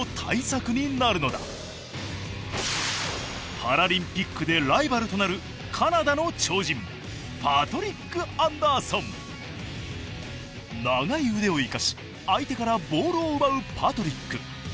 パラリンピックでライバルとなる長い腕を生かし相手からボールを奪うパトリック。